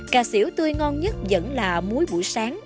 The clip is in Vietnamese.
cà xỉu tươi ngon nhất vẫn là muối buổi sáng